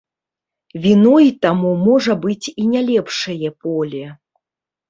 Віной таму можа быць і не лепшае поле.